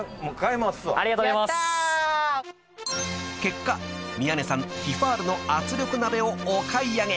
［結果宮根さんティファールの圧力鍋をお買い上げ］